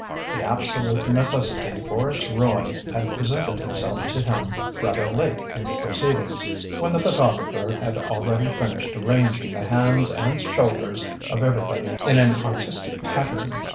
The absolute necessity for its ruin had presented itself to him rather late in the proceedings, when the photographer had already finished arranging the hands and shoulders of everybody in an artistic pattern.